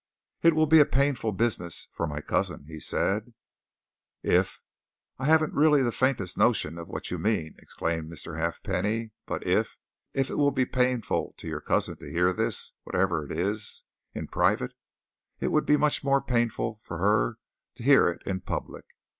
"It will be a painful business for my cousin," he said. "If I really haven't the faintest notion of what you mean!" exclaimed Mr. Halfpenny. "But if if it will be painful for your cousin to hear this whatever it is in private, it would be much more painful for her to hear it in public.